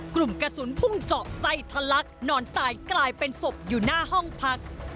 กลุ่มกระสุนพุ่งเจาะไส้ทะลักนอนตายกลายเป็นศพอยู่หน้าห้องพัก